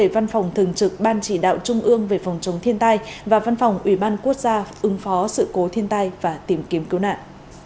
văn phòng thường trực ban chỉ đạo trung ương về phòng chống thiên tai và văn phòng ủy ban quốc gia ứng phó sự cố thiên tai và tìm kiếm cứu nạn